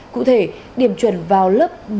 cụ thể điểm chuẩn vào lớp một mươi